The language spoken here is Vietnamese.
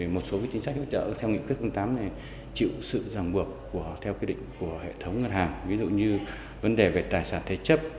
một số chính sách hỗ trợ theo nghị quyết tám này chịu sự ràng buộc theo quy định của hệ thống ngân hàng ví dụ như vấn đề về tài sản thế chấp